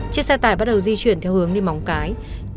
chiếc xe tải bắt đầu di chuyển theo hướng đi móng cái